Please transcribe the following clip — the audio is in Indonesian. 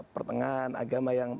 pertengahan agama yang